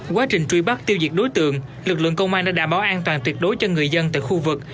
quá trình truy bắt tiêu diệt đối tượng lực lượng công an đã đảm bảo an toàn tuyệt đối cho người dân tại khu vực